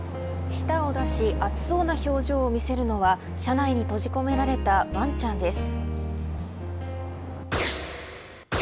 舌を出し、暑そうな表情を見せるのは車内に閉じ込められたワンちゃんです。